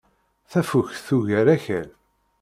Tafukt tugar Akal.